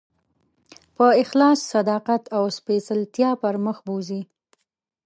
په اخلاص، صداقت او سپېڅلتیا پر مخ بوځي.